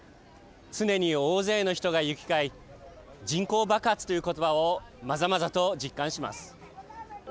常に大勢の人が行き交い人口爆発という言葉をまざまざと実感します。